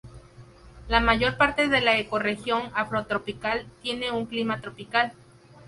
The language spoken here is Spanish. La mayor parte de la ecorregión afrotropical tiene un clima tropical.